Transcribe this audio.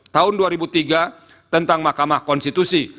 tahun dua ribu tiga tentang mahkamah konstitusi